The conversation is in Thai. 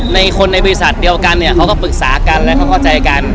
ในคนในบริษัทเดียวกันเนี่ยเขาก็ปรึกษากันและเขาเข้าใจกัน